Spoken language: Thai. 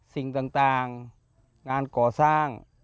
สิ่งต่างงานก่อสร้าง